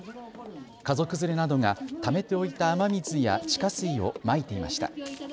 家族連れなどがためておいた雨水や地下水をまいていました。